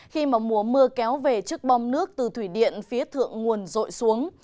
khi mà mùa mưa kéo về trước bom nước từ thủy điện phía thượng nguồn rội xuống